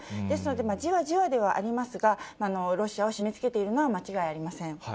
ですので、じわじわではありますが、ロシアを締めつけているのは間違いありません。